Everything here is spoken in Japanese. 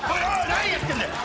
何やってんだよ？